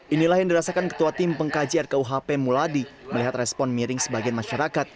inilah yang dirasakan ketua tim pengkaji rkuhp muladi melihat respon miring sebagian masyarakat